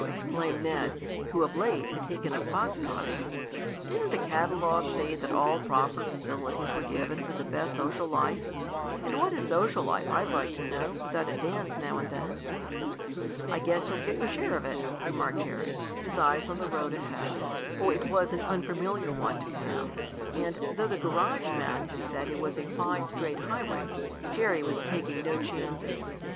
exclaimed Ned, who of late had taken up fox trotting. "Didn't the catalogue say that all proper facilities were given for the best social life. And what is social life, I'd like to know, without a dance now and then?" "I guess you'll get your share of it," remarked Jerry, his eyes on the road ahead, for it was an unfamiliar one to him, and, though the garage man had said it was a fine, straight highway, Jerry was taking no chances.